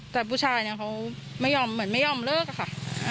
แต่ผู้ชายเขาไม่ยอมเลิกค่ะ